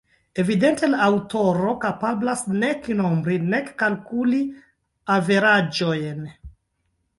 Evidente la aŭtoro kapablas nek nombri nek kalkuli averaĝojn.